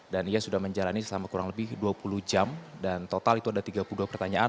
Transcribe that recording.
dan ia sudah menjalani selama kurang lebih dua puluh jam dan total itu ada tiga puluh dua pertanyaan